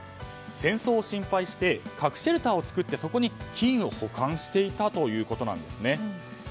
戦争を心配して核シェルターを作ってそこに金を保管していたということなんです。